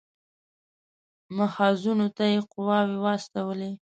محاذونو ته یې قواوې واستولې.